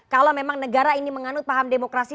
kalau memang negara ini menganut paham demokrasi